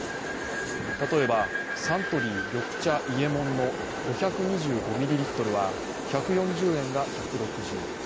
例えば、サントリー緑茶伊右衛門の５２５ミリリットルは１４０円が１６０円。